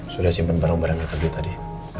sudah simpan barang barangnya pergi tadi